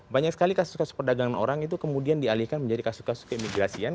banyak sekali kasus kasus perdagangan orang itu kemudian dialihkan menjadi kasus kasus keimigrasian